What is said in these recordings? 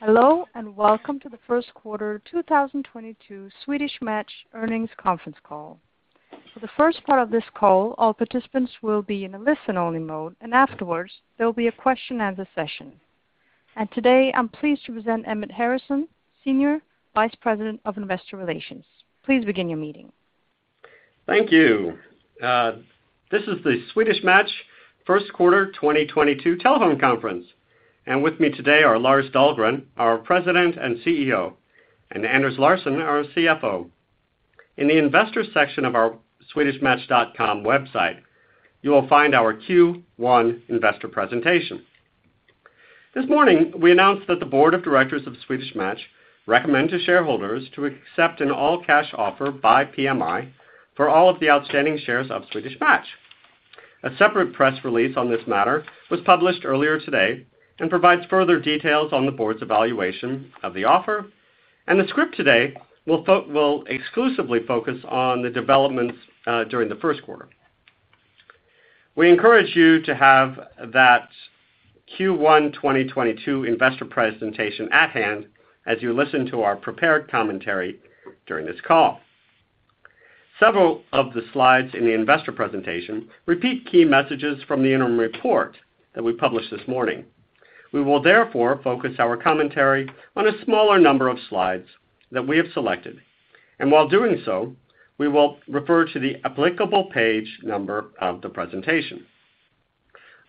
Hello, and welcome to the first quarter 2022 Swedish Match earnings conference call. For the first part of this call, all participants will be in a listen-only mode, and afterwards, there'll be a question and answer session. Today, I'm pleased to present Emmet Harrison, Senior Vice President of Investor Relations. Please begin your meeting. Thank you. This is the Swedish Match first quarter 2022 telephone conference. With me today are Lars Dahlgren, our President and CEO, and Anders Larsson, our CFO. In the investors section of our swedishmatch.com website, you will find our Q1 investor presentation. This morning, we announced that the board of directors of Swedish Match recommend to shareholders to accept an all-cash offer by PMI for all of the outstanding shares of Swedish Match. A separate press release on this matter was published earlier today and provides further details on the board's evaluation of the offer, and the script today will exclusively focus on the developments during the first quarter. We encourage you to have that Q1 2022 investor presentation at hand as you listen to our prepared commentary during this call. Several of the slides in the investor presentation repeat key messages from the interim report that we published this morning. We will therefore focus our commentary on a smaller number of slides that we have selected. While doing so, we will refer to the applicable page number of the presentation.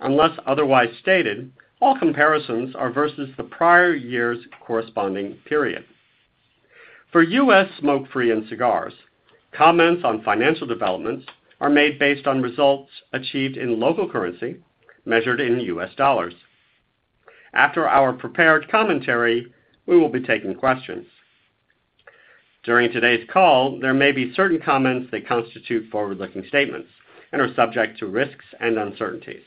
Unless otherwise stated, all comparisons are versus the prior year's corresponding period. For U.S. smoke-free and cigars, comments on financial developments are made based on results achieved in local currency measured in U.S. dollars. After our prepared commentary, we will be taking questions. During today's call, there may be certain comments that constitute forward-looking statements and are subject to risks and uncertainties.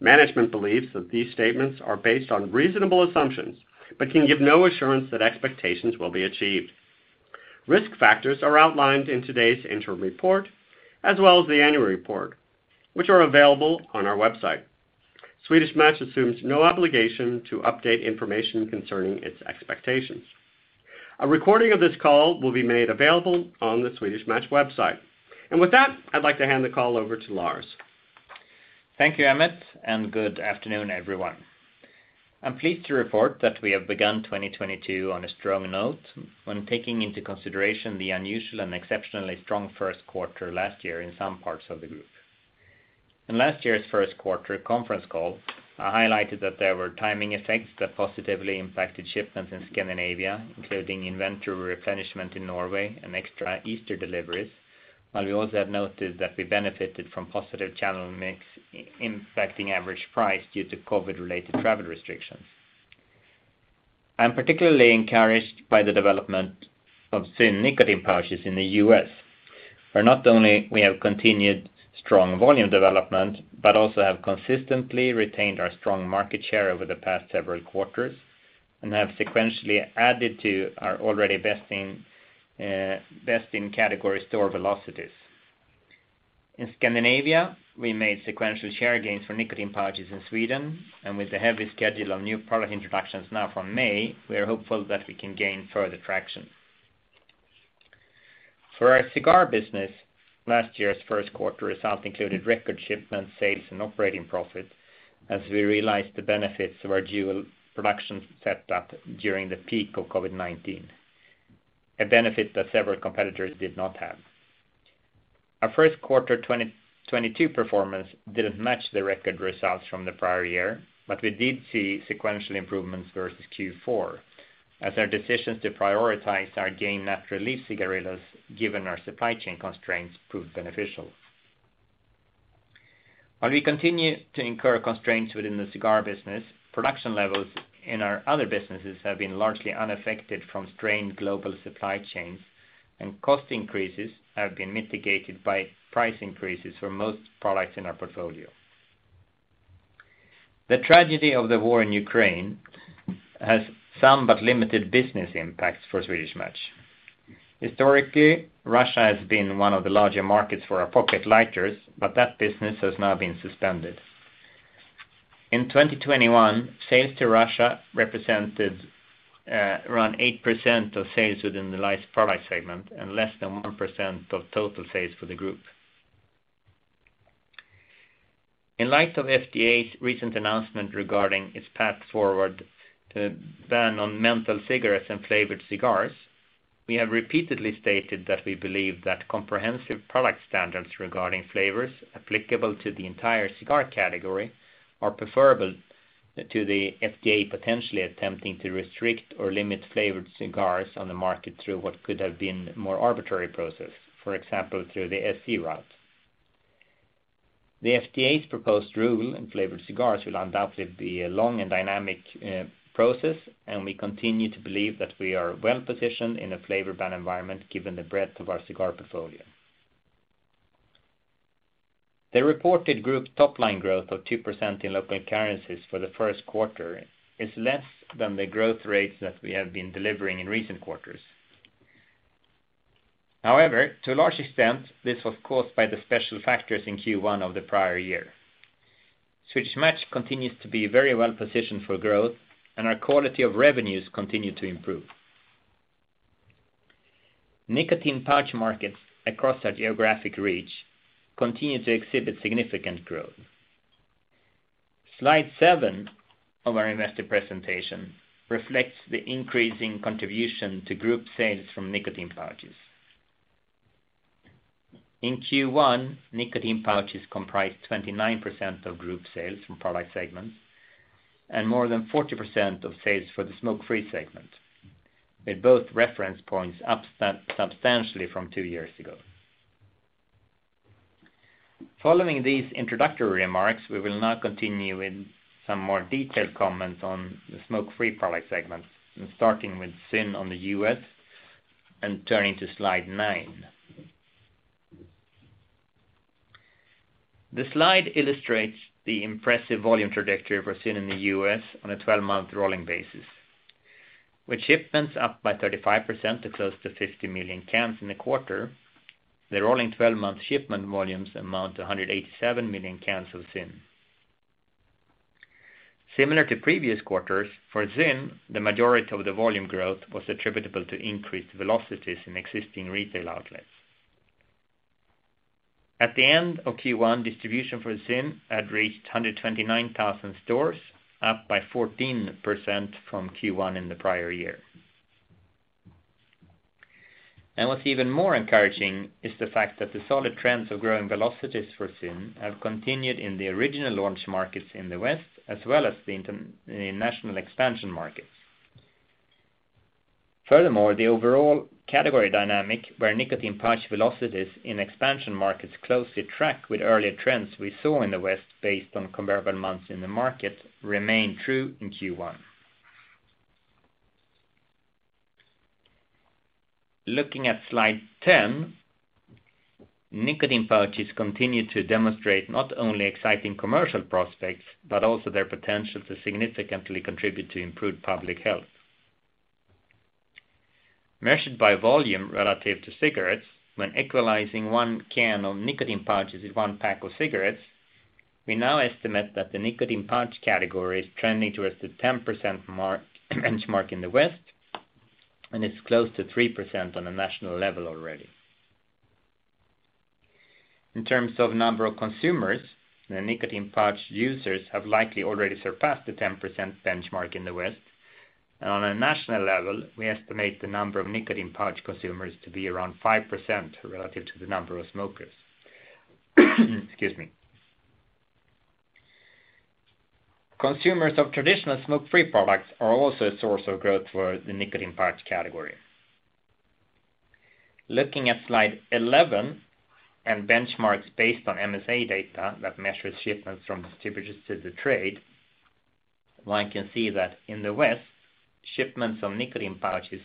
Management believes that these statements are based on reasonable assumptions, but can give no assurance that expectations will be achieved. Risk factors are outlined in today's interim report as well as the annual report, which are available on our website. Swedish Match assumes no obligation to update information concerning its expectations. A recording of this call will be made available on the Swedish Match website. With that, I'd like to hand the call over to Lars. Thank you, Emmett, and good afternoon, everyone. I'm pleased to report that we have begun 2022 on a strong note when taking into consideration the unusual and exceptionally strong first quarter last year in some parts of the group. In last year's first quarter conference call, I highlighted that there were timing effects that positively impacted shipments in Scandinavia, including inventory replenishment in Norway and extra Easter deliveries, while we also have noted that we benefited from positive channel mix impacting average price due to COVID-related travel restrictions. I'm particularly encouraged by the development of ZYN nicotine pouches in the U.S., where not only we have continued strong volume development, but also have consistently retained our strong market share over the past several quarters and have sequentially added to our already best in, best-in-category store velocities. In Scandinavia, we made sequential share gains for nicotine pouches in Sweden, and with the heavy schedule of new product introductions now from May, we are hopeful that we can gain further traction. For our cigar business, last year's first quarter result included record shipments, sales, and operating profit as we realized the benefits of our dual production set up during the peak of COVID-19, a benefit that several competitors did not have. Our first quarter 2022 performance didn't match the record results from the prior year, but we did see sequential improvements versus Q4 as our decisions to prioritize our Game natural leaf cigarillos, given our supply chain constraints, proved beneficial. While we continue to incur constraints within the cigar business, production levels in our other businesses have been largely unaffected from strained global supply chains, and cost increases have been mitigated by price increases for most products in our portfolio. The tragedy of the war in Ukraine has some but limited business impacts for Swedish Match. Historically, Russia has been one of the larger markets for our pocket lighters, but that business has now been suspended. In 2021, sales to Russia represented around 8% of sales within the lighters product segment and less than 1% of total sales for the group. In light of FDA's recent announcement regarding its path forward to ban on menthol cigarettes and flavored cigars, we have repeatedly stated that we believe that comprehensive product standards regarding flavors applicable to the entire cigar category are preferable to the FDA potentially attempting to restrict or limit flavored cigars on the market through what could have been more arbitrary process, for example, through the FDCA route. The FDA's proposed rule in flavored cigars will undoubtedly be a long and dynamic process, and we continue to believe that we are well-positioned in a flavor ban environment given the breadth of our cigar portfolio. The reported group top-line growth of 2% in local currencies for the first quarter is less than the growth rates that we have been delivering in recent quarters. To a large extent, this was caused by the special factors in Q1 of the prior year. Swedish Match continues to be very well positioned for growth, and our quality of revenues continue to improve. Nicotine pouch markets across our geographic reach continue to exhibit significant growth. Slide seven of our investor presentation reflects the increasing contribution to group sales from nicotine pouches. In Q1, nicotine pouches comprised 29% of group sales from product segments and more than 40% of sales for the smoke-free segment, with both reference points up substantially from two years ago. Following these introductory remarks, we will now continue in some more detailed comments on the smoke-free product segments, starting with ZYN on the U.S. and turning to slide 9. The slide illustrates the impressive volume trajectory for ZYN in the U.S. on a 12-month rolling basis. With shipments up by 35% to close to 50 million cans in the quarter, the rolling twelve-month shipment volumes amount to 187 million cans of ZYN. Similar to previous quarters, for ZYN, the majority of the volume growth was attributable to increased velocities in existing retail outlets. At the end of Q1, distribution for ZYN had reached 129,000 stores, up by 14% from Q1 in the prior year. What's even more encouraging is the fact that the solid trends of growing velocities for ZYN have continued in the original launch markets in the West as well as the international expansion markets. Furthermore, the overall category dynamic where nicotine pouch velocities in expansion markets closely track with earlier trends we saw in the West based on comparable months in the market remained true in Q1. Looking at slide 10, nicotine pouches continue to demonstrate not only exciting commercial prospects, but also their potential to significantly contribute to improved public health. Measured by volume relative to cigarettes, when equalizing one can of nicotine pouches is one pack of cigarettes, we now estimate that the nicotine pouch category is trending towards the 10% market benchmark in the West, and it's close to 3% on a national level already. In terms of number of consumers, the nicotine pouch users have likely already surpassed the 10% benchmark in the West. On a national level, we estimate the number of nicotine pouch consumers to be around 5% relative to the number of smokers. Excuse me. Consumers of traditional smoke-free products are also a source of growth for the nicotine pouch category. Looking at slide 11 and benchmarks based on MSA data that measures shipments from distributors to the trade, one can see that in the West, shipments of nicotine pouches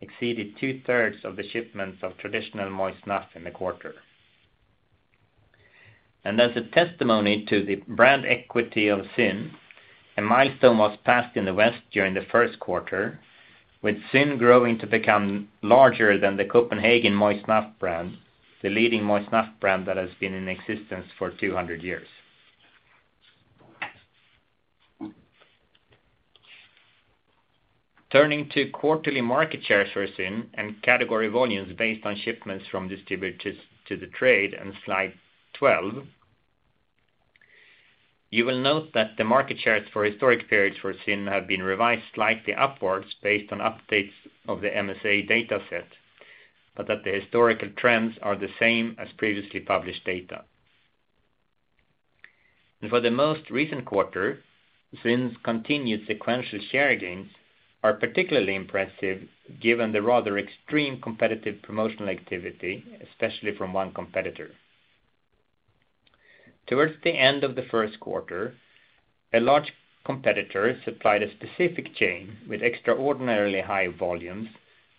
exceeded two-thirds of the shipments of traditional moist snuff in the quarter. As a testimony to the brand equity of ZYN, a milestone was passed in the West during the first quarter, with ZYN growing to become larger than the Copenhagen moist snuff brand, the leading moist snuff brand that has been in existence for 200 years. Turning to quarterly market shares for ZYN and category volumes based on shipments from distributors to the trade on slide 12, you will note that the market shares for historic periods for ZYN have been revised slightly upwards based on updates of the MSA data set, but that the historical trends are the same as previously published data. For the most recent quarter, ZYN's continued sequential share gains are particularly impressive given the rather extreme competitive promotional activity, especially from one competitor. Towards the end of the first quarter, a large competitor supplied a specific chain with extraordinarily high volumes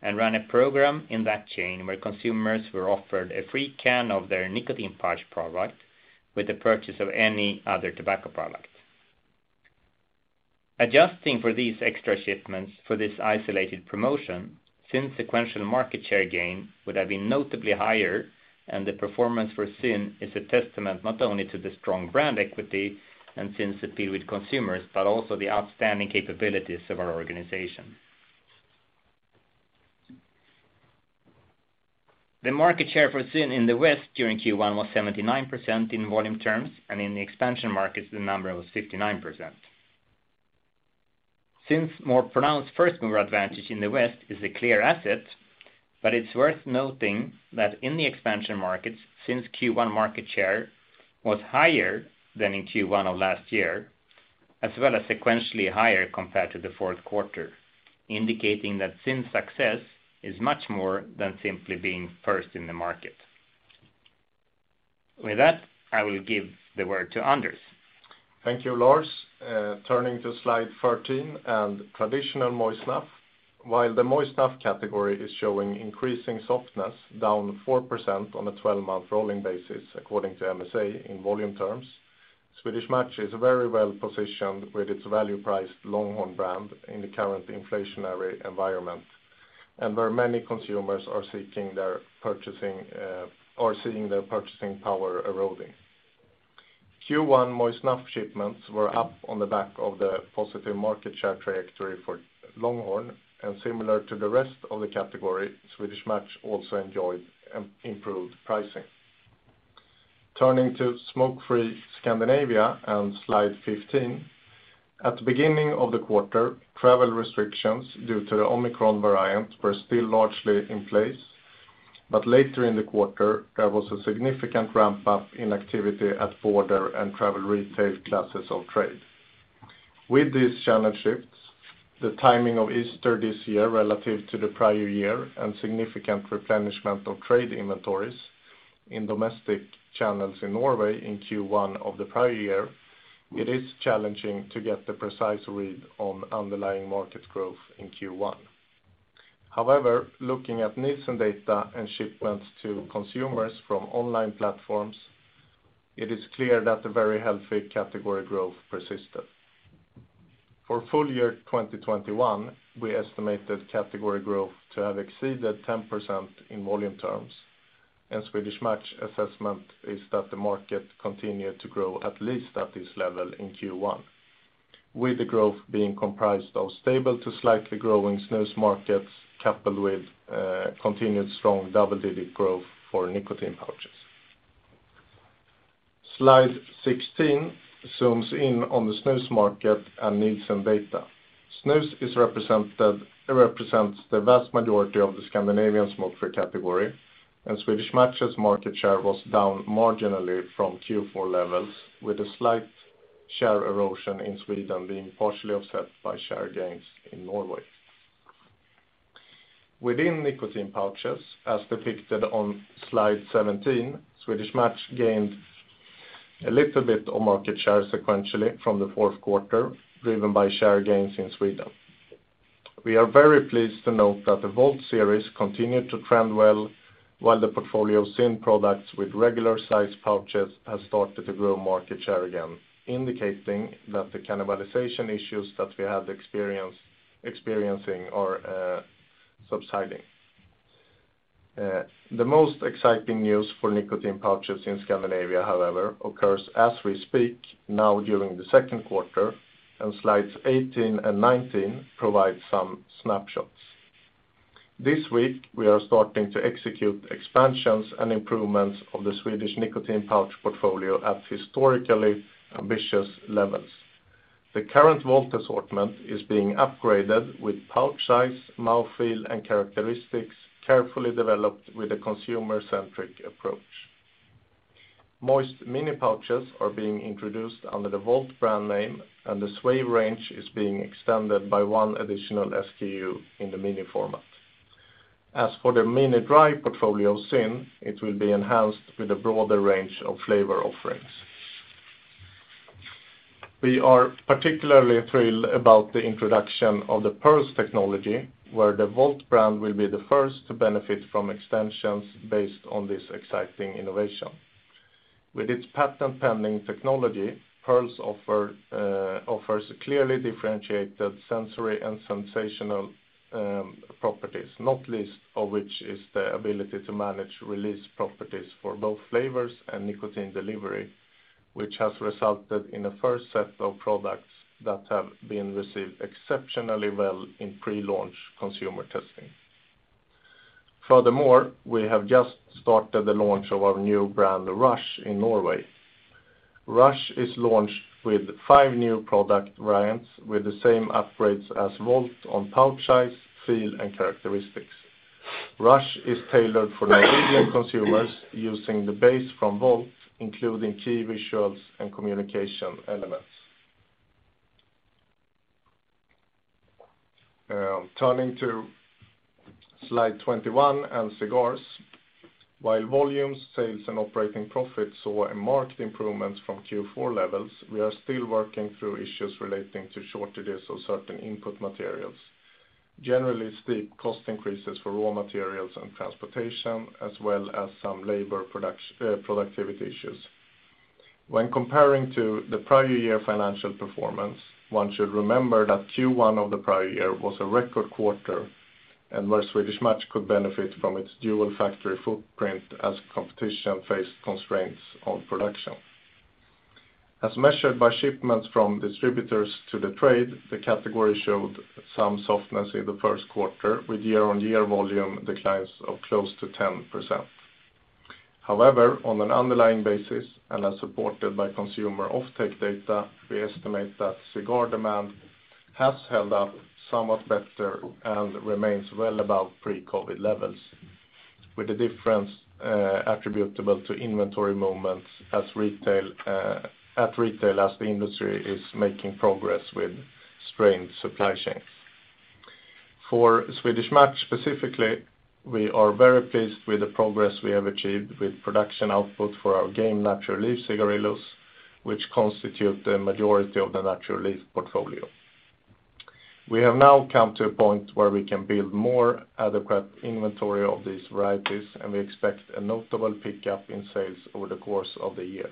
and ran a program in that chain where consumers were offered a free can of their nicotine pouch product with the purchase of any other tobacco product. Adjusting for these extra shipments for this isolated promotion, ZYN's sequential market share gain would have been notably higher, and the performance for ZYN is a testament not only to the strong brand equity and ZYN's appeal with consumers, but also the outstanding capabilities of our organization. The market share for ZYN in the West during Q1 was 79% in volume terms, and in the expansion markets, the number was 59%. ZYN's more pronounced first-mover advantage in the West is a clear asset, but it's worth noting that in the expansion markets, ZYN's Q1 market share was higher than in Q1 of last year, as well as sequentially higher compared to the fourth quarter, indicating that ZYN's success is much more than simply being first in the market. With that, I will give the word to Anders. Thank you, Lars. Turning to slide 13 and traditional moist snuff. While the moist snuff category is showing increasing softness, down 4% on a 12-month rolling basis according to MSA in volume terms. Swedish Match is very well positioned with its value-priced Longhorn brand in the current inflationary environment, and where many consumers are seeking their purchasing, or seeing their purchasing power eroding. Q1 moist snuff shipments were up on the back of the positive market share trajectory for Longhorn, and similar to the rest of the category, Swedish Match also enjoyed improved pricing. Turning to smoke-free Scandinavia on slide 15, at the beginning of the quarter, travel restrictions due to the Omicron variant were still largely in place. Later in the quarter, there was a significant ramp up in activity at border and travel retail classes of trade. With these channel shifts, the timing of Easter this year relative to the prior year and significant replenishment of trade inventories in domestic channels in Norway in Q1 of the prior year, it is challenging to get the precise read on underlying market growth in Q1. However, looking at Nielsen data and shipments to consumers from online platforms, it is clear that the very healthy category growth persisted. For full year 2021, we estimated category growth to have exceeded 10% in volume terms, and Swedish Match assessment is that the market continued to grow at least at this level in Q1, with the growth being comprised of stable to slightly growing snus markets, coupled with continued strong double-digit growth for nicotine pouches. Slide 16 zooms in on the snus market and Nielsen data. It represents the vast majority of the Scandinavian smoke-free category, and Swedish Match's market share was down marginally from Q4 levels, with a slight share erosion in Sweden being partially offset by share gains in Norway. Within nicotine pouches, as depicted on slide 17, Swedish Match gained a little bit of market share sequentially from the fourth quarter, driven by share gains in Sweden. We are very pleased to note that the VOLT series continued to trend well, while the portfolio of thin products with regular sized pouches has started to grow market share again, indicating that the cannibalization issues that we had experienced are subsiding. The most exciting news for nicotine pouches in Scandinavia, however, occurs as we speak now during the second quarter, and slides 18 and 19 provide some snapshots. This week, we are starting to execute expansions and improvements of the Swedish nicotine pouch portfolio at historically ambitious levels. The current VOLT assortment is being upgraded with pouch size, mouth feel, and characteristics carefully developed with a consumer-centric approach. Moist mini pouches are being introduced under the VOLT brand name, and the Swave range is being extended by one additional SKU in the mini format. As for the mini dry portfolio of ZYN, it will be enhanced with a broader range of flavor offerings. We are particularly thrilled about the introduction of the Pearls technology, where the VOLT brand will be the first to benefit from extensions based on this exciting innovation. With its patent-pending technology, Pearls offers a clearly differentiated sensory and sensational properties, not least of which is the ability to manage release properties for both flavors and nicotine delivery, which has resulted in a first set of products that have been received exceptionally well in pre-launch consumer testing. Furthermore, we have just started the launch of our new brand Rush in Norway. Rush is launched with five new product variants with the same upgrades as VOLT on pouch size, feel, and characteristics. Rush is tailored for Norwegian consumers using the base from VOLT, including key visuals and communication elements. Turning to slide 21 and cigars. While volumes, sales, and operating profits saw a marked improvement from Q4 levels, we are still working through issues relating to shortages of certain input materials. Generally, steep cost increases for raw materials and transportation, as well as some labor productivity issues. When comparing to the prior year financial performance, one should remember that Q1 of the prior year was a record quarter, and where Swedish Match could benefit from its dual factory footprint as competition faced constraints on production. As measured by shipments from distributors to the trade, the category showed some softness in the first quarter, with year-on-year volume declines of close to 10%. However, on an underlying basis, and as supported by consumer offtake data, we estimate that cigar demand has held up somewhat better and remains well above pre-COVID levels, with the difference attributable to inventory movements as retail at retail as the industry is making progress with strained supply chains. For Swedish Match specifically, we are very pleased with the progress we have achieved with production output for our Game natural leaf cigarillos, which constitute the majority of the natural leaf portfolio. We have now come to a point where we can build more adequate inventory of these varieties, and we expect a notable pickup in sales over the course of the year.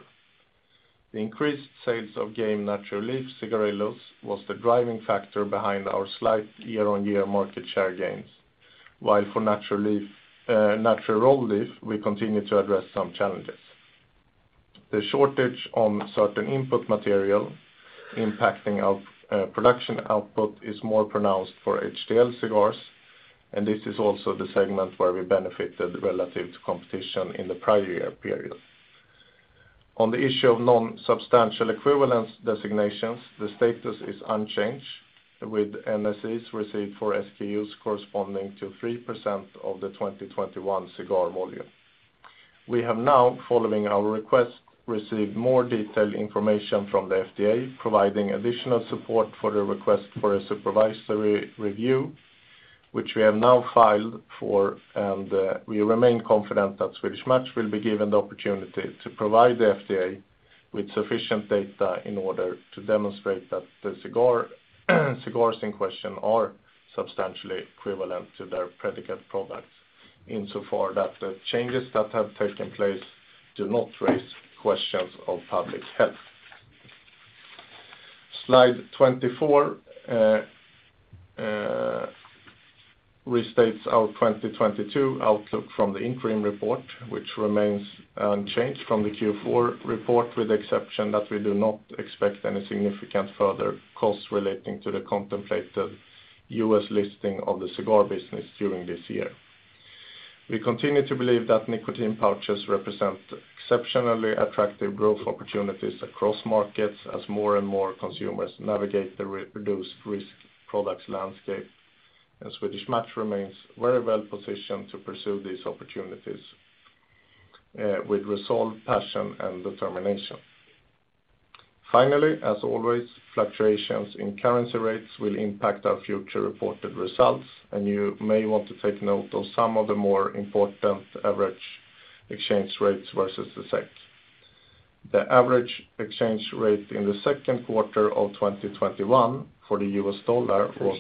The increased sales of Game natural leaf cigarillos was the driving factor behind our slight year-on-year market share gains. While for natural leaf, natural rolled leaf, we continue to address some challenges. The shortage on certain input material impacting our production output is more pronounced for HTL cigars, and this is also the segment where we benefited relative to competition in the prior year period. On the issue of non-substantial equivalence designations, the status is unchanged, with NSEs received for SKUs corresponding to 3% of the 2021 cigars volume. We have now, following our request, received more detailed information from the FDA, providing additional support for the request for a supervisory review, which we have now filed for, and we remain confident that Swedish Match will be given the opportunity to provide the FDA with sufficient data in order to demonstrate that the cigars in question are substantially equivalent to their predicate products. Insofar that the changes that have taken place do not raise questions of public health. Slide 24 restates our 2022 outlook from the interim report, which remains unchanged from the Q4 report, with the exception that we do not expect any significant further costs relating to the contemplated U.S. listing of the cigar business during this year. We continue to believe that nicotine pouches represent exceptionally attractive growth opportunities across markets as more and more consumers navigate the reduced-risk products landscape. Swedish Match remains very well positioned to pursue these opportunities with resolve, passion, and determination. Finally, as always, fluctuations in currency rates will impact our future reported results, and you may want to take note of some of the more important average exchange rates versus the SEK. The average exchange rate in the second quarter of 2021 for the U.S. dollar was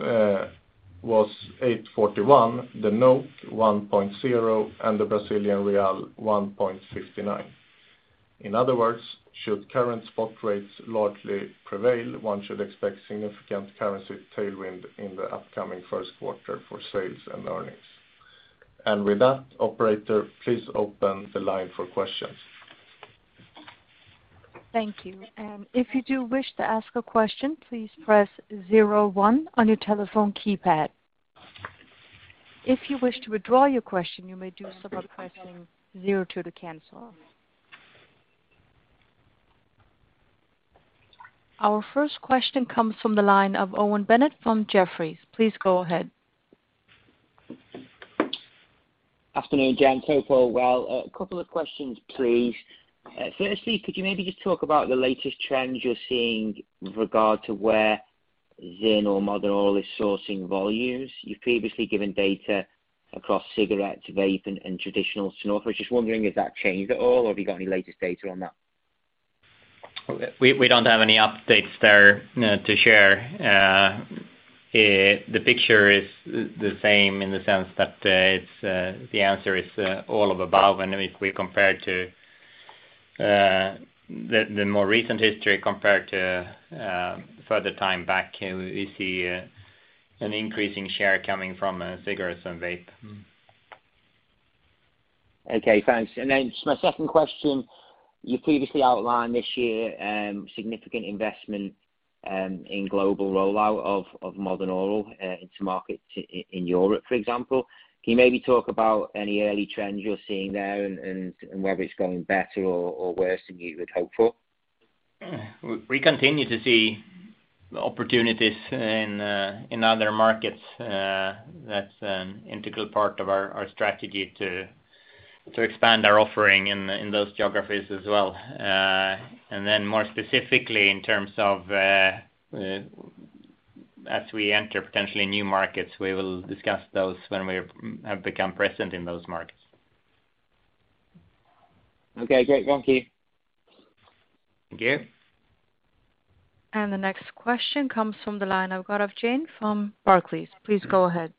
8.41, the 1.0, and the Brazilian real, 1.59. In other words, should current spot rates largely prevail, one should expect significant currency tailwind in the upcoming first quarter for sales and earnings. With that, operator, please open the line for questions. Thank you. If you do wish to ask a question, please press zero one on your telephone keypad. If you wish to withdraw your question, you may do so by pressing zero two to cancel. Our first question comes from the line of Owen Bennett from Jefferies. Please go ahead. Afternoon, Jan Topal. Well, a couple of questions, please. Firstly, could you maybe just talk about the latest trends you're seeing with regard to where ZYN or Modern Oral is sourcing volumes? You've previously given data across cigarettes, vape, and traditional snus. I was just wondering, has that changed at all, or have you got any latest data on that? We don't have any updates there to share. The picture is the same in the sense that it's the answer is all of above. If we compare to the more recent history compared to further time back, we see an increasing share coming from cigarettes and vape. Okay, thanks. Just my second question, you previously outlined this year significant investment in global rollout of Modern Oral into markets in Europe, for example. Can you maybe talk about any early trends you're seeing there and whether it's going better or worse than you had hoped for? We continue to see opportunities in other markets. That's an integral part of our strategy to expand our offering in those geographies as well. More specifically, in terms of, as we enter potentially new markets, we will discuss those when we have become present in those markets. Okay, great. Thank you. Thank you. The next question comes from the line of Gaurav Jain from Barclays. Please go ahead.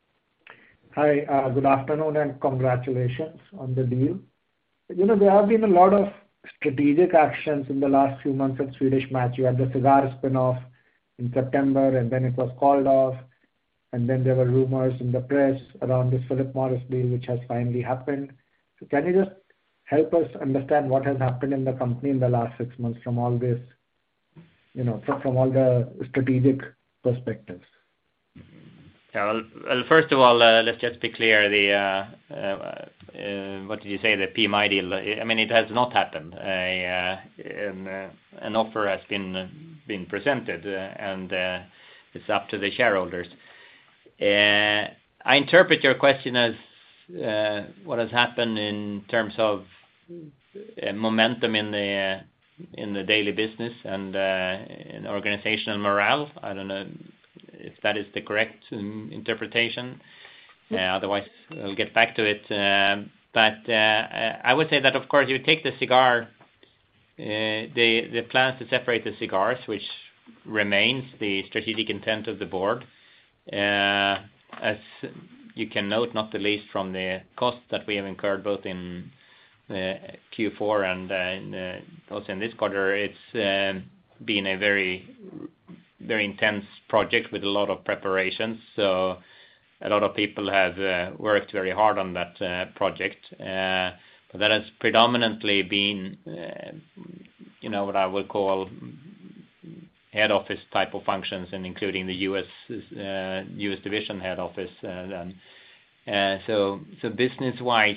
Hi, good afternoon and congratulations on the deal. You know, there have been a lot of strategic actions in the last few months at Swedish Match. You had the cigar spinoff in September, and then it was called off, and then there were rumors in the press around this Philip Morris deal, which has finally happened. Can you just help us understand what has happened in the company in the last six months from all this, you know, from all the strategic perspectives? Well, first of all, let's just be clear. The, what did you say? The PMI deal. I mean, it has not happened. An offer has been presented, and it's up to the shareholders. I interpret your question as what has happened in terms of momentum in the daily business and in organizational morale. I don't know if that is the correct interpretation. Otherwise, we'll get back to it. I would say that, of course, you take the cigar, the plan to separate the cigars, which remains the strategic intent of the board. As you can note, not the least from the costs that we have incurred, both in Q4 and also in this quarter, it's been a very, very intense project with a lot of preparations. A lot of people have worked very hard on that project. That has predominantly been, you know, what I would call head office type of functions, and including the U.S., U.S. division head office. Business-wise,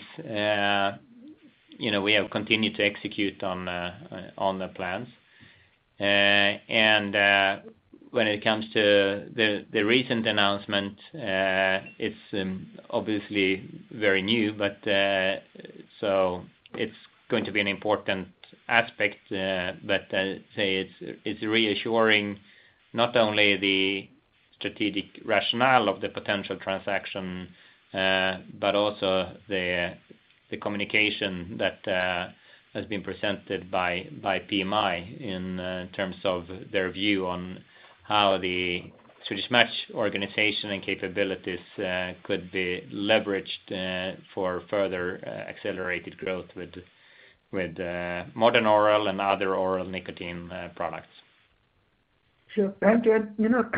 you know, we have continued to execute on the plans. When it comes to the recent announcement, it's obviously very new, but it's going to be an important aspect. Say it's reassuring not only the strategic rationale of the potential transaction, but also the communication that has been presented by PMI in terms of their view on how the Swedish Match organization and capabilities could be leveraged for further accelerated growth with Modern Oral and other oral nicotine products. Sure. Thank you. You know,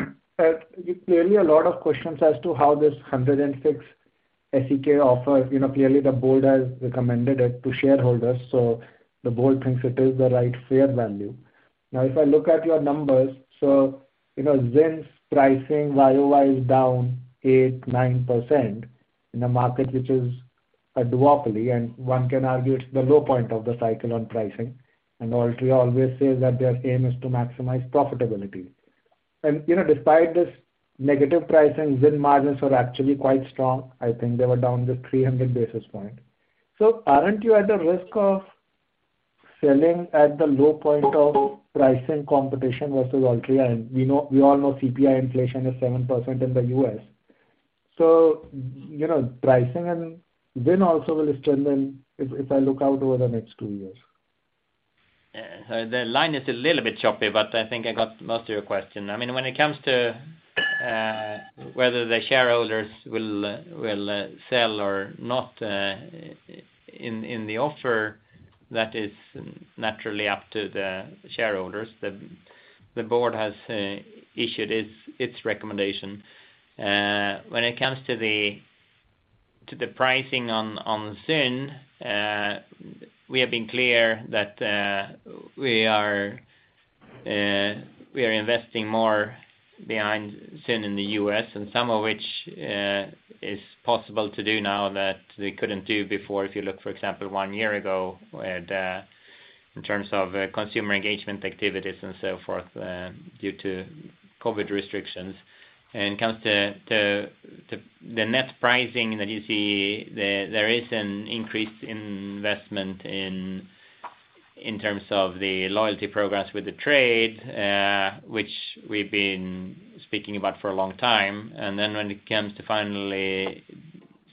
clearly a lot of questions as to how this 106 SEK offer, you know, clearly the board has recommended it to shareholders, so the board thinks it is the right fair value. Now, if I look at your numbers, you know, ZYN's pricing YOY is down 8%-9% in a market which is a duopoly, and one can argue it's the low point of the cycle on pricing. Altria always says that their aim is to maximize profitability. You know, despite this negative pricing, ZYN margins are actually quite strong. I think they were down just 300 basis points. Aren't you at the risk of selling at the low point of pricing competition versus Altria? We all know CPI inflation is 7% in the U.S.. You know, pricing and ZYN also will strengthen if I look out over the next two years. The line is a little bit choppy, but I think I got most of your question. I mean, when it comes to whether the shareholders will sell or not in the offer, that is naturally up to the shareholders. The board has issued its recommendation. When it comes to the pricing on ZYN, we have been clear that we are investing more behind ZYN in the U.S. and some of which is possible to do now that we couldn't do before. If you look, for example, one year ago in terms of consumer engagement activities and so forth due to COVID restrictions. When it comes to the net pricing that you see, there is an increase in investment in terms of the loyalty programs with the trade, which we've been speaking about for a long time. Then when it comes to finally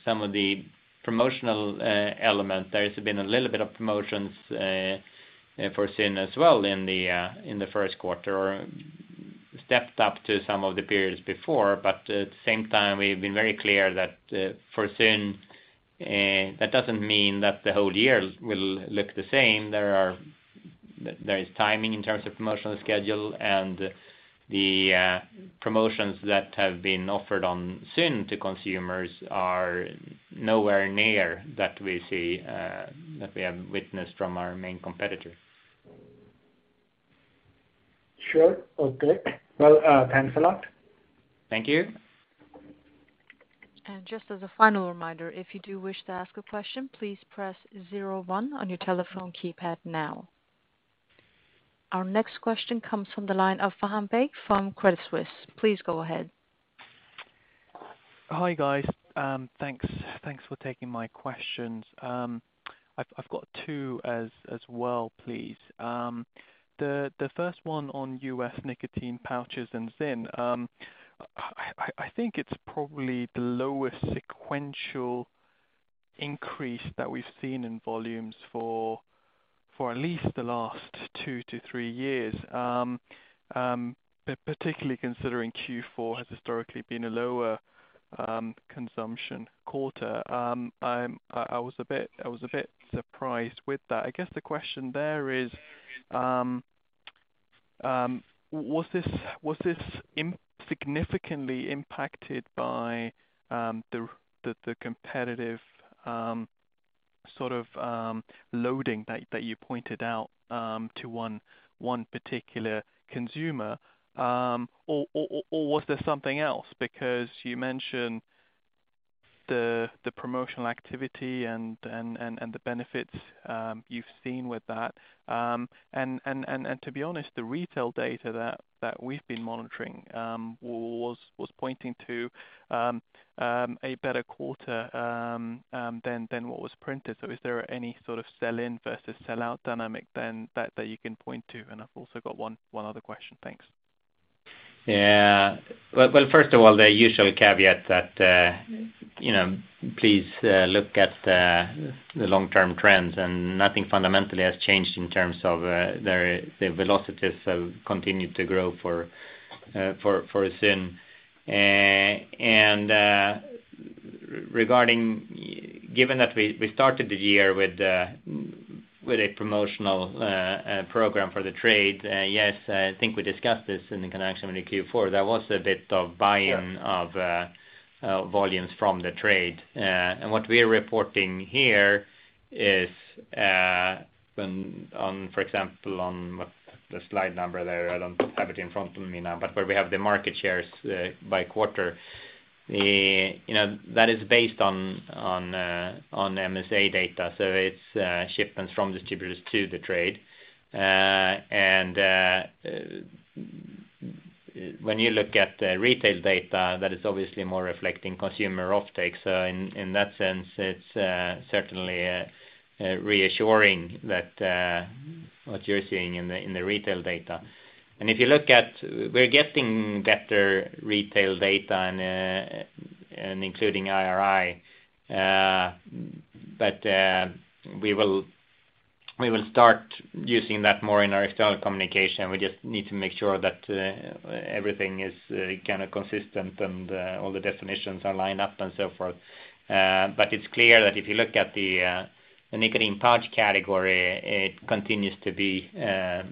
some of the promotional elements, there's been a little bit of promotions for ZYN as well in the first quarter as stepped up from some of the periods before. At the same time, we've been very clear that for ZYN that doesn't mean that the whole year will look the same. There is timing in terms of promotional schedule and the promotions that have been offered on ZYN to consumers are nowhere near what we have witnessed from our main competitors. Sure. Okay. Well, thanks a lot. Thank you. Just as a final reminder, if you do wish to ask a question, please press zero one on your telephone keypad now. Our next question comes from the line of Faham Baig from Credit Suisse. Please go ahead. Hi, guys. Thanks for taking my questions. I've got two as well, please. The first one on U.S. nicotine pouches and ZYN. I think it's probably the lowest sequential increase that we've seen in volumes for at least the last two to three years. But particularly considering Q4 has historically been a lower consumption quarter. I was a bit surprised with that. I guess the question there is, was this significantly impacted by the competitive sort of loading that you pointed out to one particular consumer? Or was there something else? Because you mentioned the promotional activity and the benefits you've seen with that. To be honest, the retail data that we've been monitoring was pointing to a better quarter than what was printed. Is there any sort of sell-in versus sell-out dynamic then that you can point to? I've also got one other question. Thanks. Well, first of all, the usual caveat that, you know, please look at the long-term trends, and nothing fundamentally has changed in terms of the velocities have continued to grow for ZYN. Given that we started the year with a promotional program for the trade, yes, I think we discussed this in connection with the Q4. There was a bit of buy-in of volumes from the trade. What we're reporting here is, on, for example, on what the slide number there, I don't have it in front of me now, but where we have the market shares by quarter. You know, that is based on MSA data, so it's shipments from distributors to the trade. When you look at the retail data, that is obviously more reflecting consumer offtake. In that sense, it's certainly reassuring that what you're seeing in the retail data. We're getting better retail data and including IRI. We will start using that more in our external communication. We just need to make sure that everything is kinda consistent and all the definitions are lined up and so forth. It's clear that if you look at the nicotine pouch category, it continues to be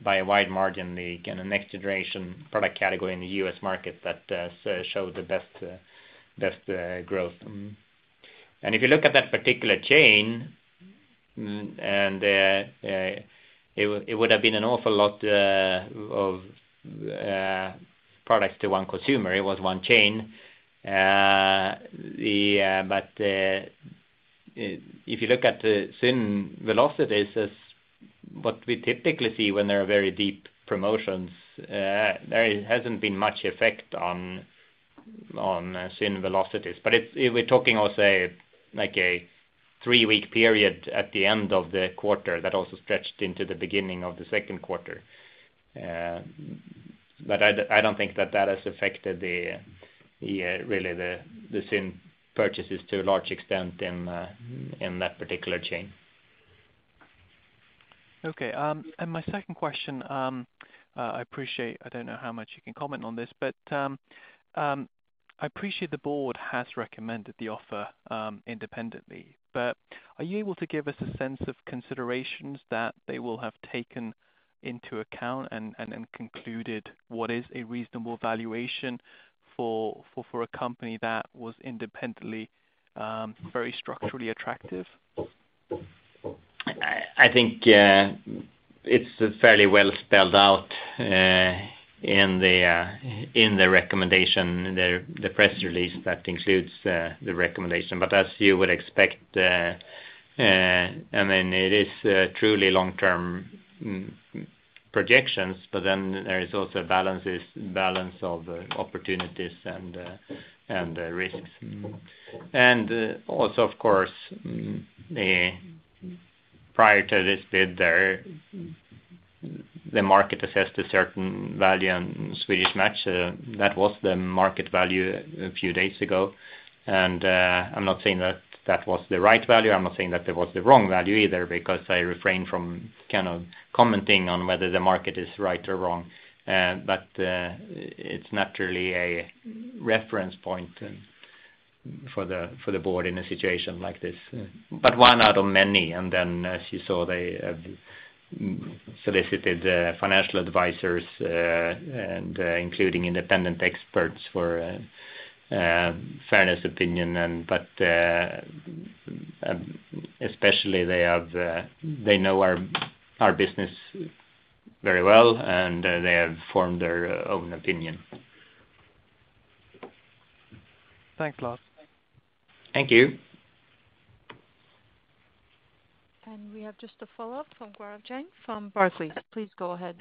by a wide margin the kind of next generation product category in the U.S. market that so show the best growth. If you look at that particular chain, it would have been an awful lot of products to one consumer. It was one chain. If you look at the ZYN velocities, what we typically see when there are very deep promotions, there hasn't been much effect on ZYN velocities. We're talking of a, like a three-week period at the end of the quarter that also stretched into the beginning of the second quarter. I don't think that has affected the ZYN purchases to a large extent in that particular chain. Okay. My second question, I appreciate I don't know how much you can comment on this, but I appreciate the board has recommended the offer independently. Are you able to give us a sense of considerations that they will have taken into account and concluded what is a reasonable valuation for a company that was independently very structurally attractive? I think it's fairly well spelled out in the recommendation, the press release that includes the recommendation. But as you would expect, I mean, it is truly long-term projections, but then there is also balance of opportunities and risks. Also, of course, prior to this bid, the market assessed a certain value on Swedish Match. That was the market value a few days ago. I'm not saying that was the right value. I'm not saying that it was the wrong value either because I refrain from kind of commenting on whether the market is right or wrong. It's naturally a reference point for the board in a situation like this. One out of many, and then as you saw, they have solicited financial advisors and including independent experts for fairness opinion. Especially they know our business very well and they have formed their own opinion. Thanks a lot. Thank you. We have just a follow-up from Gaurav Jain from Barclays. Please go ahead.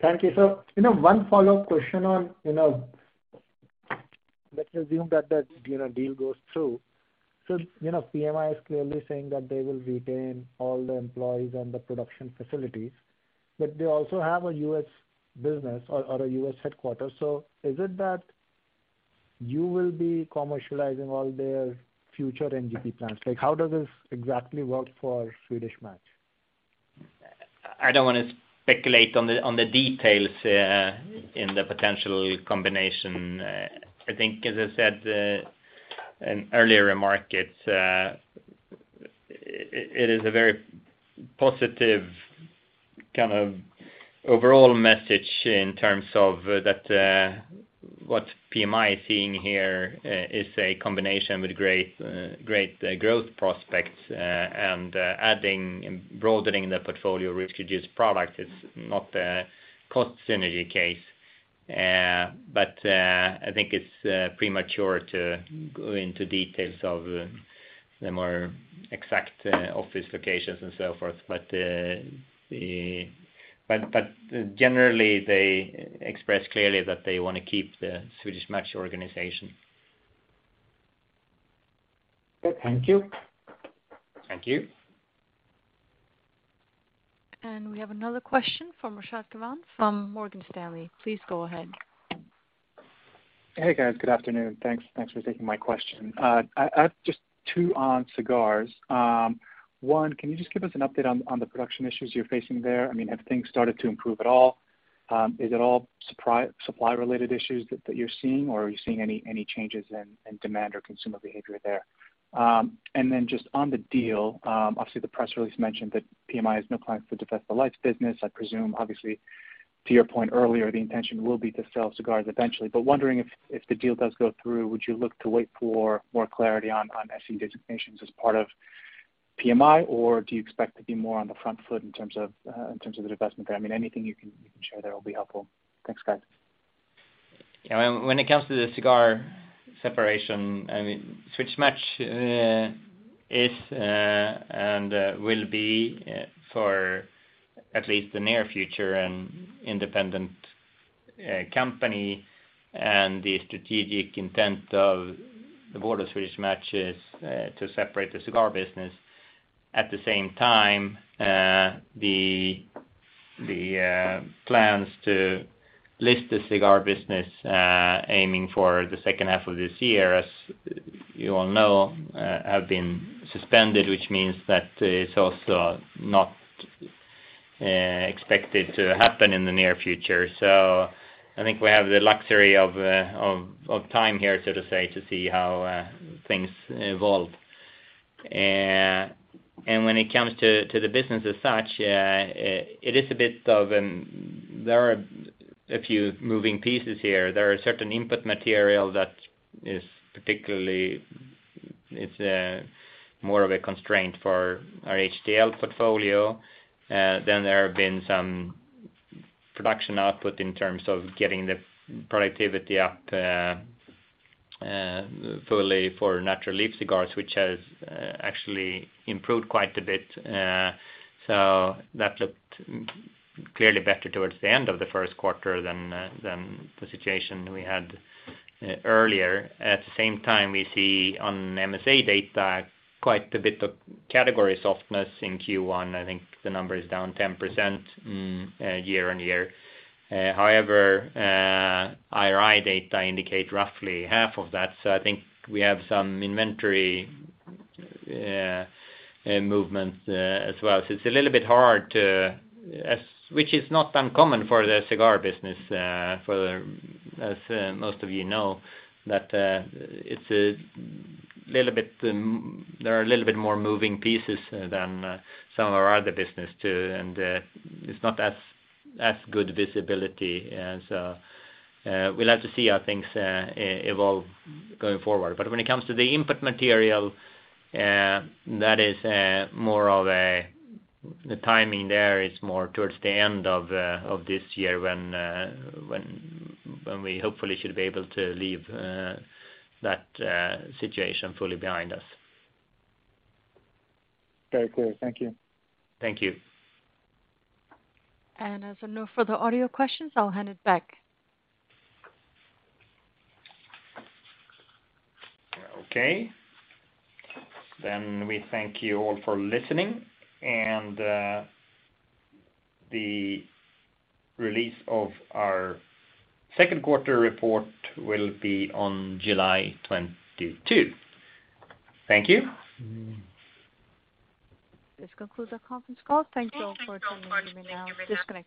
Thank you. You know, one follow-up question on, you know, let's assume that, you know, deal goes through. You know, PMI is clearly saying that they will retain all the employees and the production facilities, but they also have a U.S. business or a U.S. headquarters. Is it that you will be commercializing all their future NGP plans? Like, how does this exactly work for Swedish Match? I don't wanna speculate on the details in the potential combination. I think as I said in earlier remarks, it is a very positive kind of overall message in terms of that what PMI is seeing here is a combination with great growth prospects and adding and broadening the portfolio risk-reduced product. It's not a cost synergy case. I think it's premature to go into details of the more exact office locations and so forth. Generally, they express clearly that they wanna keep the Swedish Match organization. Okay, thank you. Thank you. We have another question from Rashad Kawan from Morgan Stanley. Please go ahead. Hey, guys. Good afternoon. Thanks. Thanks for taking my question. I have just two on cigars. One, can you just give us an update on the production issues you're facing there? I mean, have things started to improve at all? Is it all supply related issues that you're seeing, or are you seeing any changes in demand or consumer behavior there? And then just on the deal, obviously the press release mentioned that PMI has no plans to divest the light business. I presume, obviously to your point earlier, the intention will be to sell cigars eventually. Wondering if the deal does go through, would you look to wait for more clarity on SE designations as part of PMI? Do you expect to be more on the front foot in terms of, in terms of the divestment there? I mean, anything you can share there will be helpful. Thanks, guys. When it comes to the cigar separation, I mean, Swedish Match is and will be, for at least the near future, an independent company. The strategic intent of the board of Swedish Match is to separate the cigar business. At the same time, the plans to list the cigar business, aiming for the second half of this year, as you all know, have been suspended, which means that it's also not expected to happen in the near future. I think we have the luxury of time here, so to say, to see how things evolve. When it comes to the business as such, there are a few moving pieces here. There are certain input material that is particularly more of a constraint for our HTL portfolio. There have been some production output in terms of getting the productivity up fully for natural leaf cigars, which has actually improved quite a bit. That looked clearly better towards the end of the first quarter than the situation we had earlier. At the same time, we see on MSA data quite a bit of category softness in Q1. I think the number is down 10%, year-over-year. However, IRI data indicate roughly half of that, so I think we have some inventory movements as well. It's a little bit hard to Which is not uncommon for the cigar business, as most of you know that it's a little bit more moving pieces than some of our other business too, and it's not as good visibility. We'll have to see how things evolve going forward. When it comes to the input material, the timing there is more towards the end of this year when we hopefully should be able to leave that situation fully behind us. Very clear. Thank you. Thank you. As there are no further audio questions, I'll hand it back. Okay. We thank you all for listening and the release of our second quarter report will be on July 22. Thank you. This concludes our conference call. Thank you all for tuning in. You may now disconnect your lines.